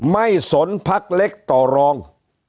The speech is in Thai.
สนพักเล็กต่อรอง